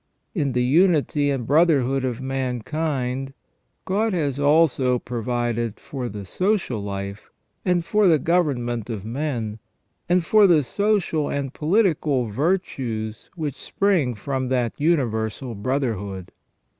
342 THE REGENERATION OF MAN. In the unity and brotherhood of mankind God has also pro vided for the social life and for the government of men, and for the social and political virtues which spring from that universal brotherhood.